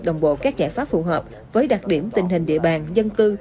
đồng bộ các giải pháp phù hợp với đặc điểm tình hình địa bàn dân cư